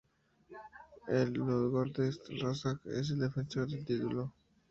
El Ludogorets Razgrad es el defensor del título.